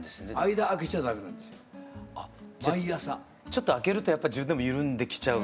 ちょっと空けるとやっぱ緩んできちゃう？